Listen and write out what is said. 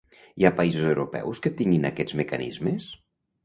Hi ha països europeus que tinguin aquests mecanismes?